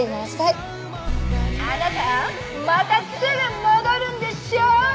「あなたまたすぐ戻るんでしょう？」